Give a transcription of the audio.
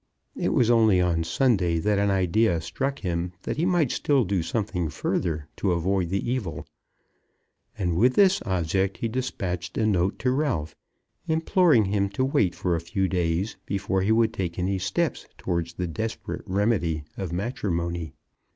It was only on Sunday that an idea struck him that he might still do something further to avoid the evil; and with this object he despatched a note to Ralph, imploring him to wait for a few days before he would take any steps towards the desperate remedy of matrimony.